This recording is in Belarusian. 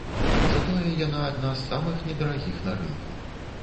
Затое яна адна з самых недарагіх на рынку.